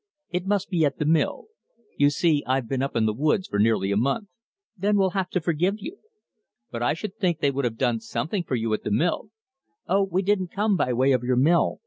"It must be at the mill. You see, I've been up in the woods for nearly a month." "Then we'll have to forgive you." "But I should think they would have done something for you at the mill " "Oh, we didn't come by way of your mill.